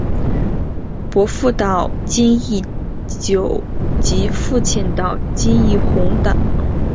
伯父岛津义久及父亲岛津义弘早就视岛津久保为岛津家未来的继承人。